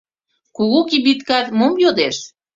Кугу кибиткат мом йодеш? -